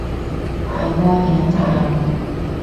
係愛定係責任